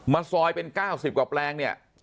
ซอยเป็น๙๐กว่าแปลงเนี่ย